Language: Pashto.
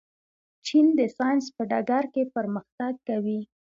چین د ساینس په ډګر کې پرمختګ کوي.